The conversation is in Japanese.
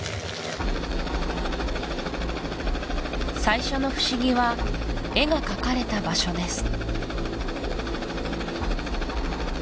最初の不思議は絵が描かれた場所です